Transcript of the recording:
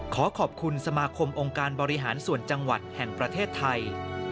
ขอขอบคุณสมาคมองค์การบริหารส่วนจังหวัดแห่งประเทศไทย